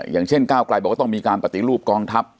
อย่างเช่นก้าวกลายบอกว่าต้องมีการปฏิรูปกองทัพ